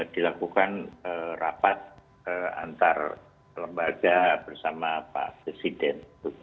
dilakukan rapat antar lembaga bersama pak presiden